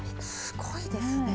すごいですね！